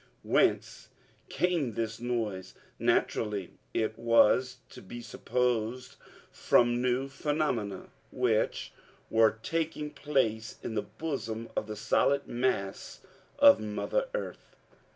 Whence came this noise? Naturally, it was to be supposed from new phenomena which were taking place in the bosom of the solid mass of Mother Earth!